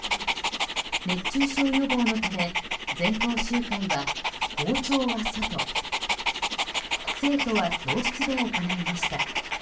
熱中症予防のため全校集会は校長は外生徒は教室で行いました。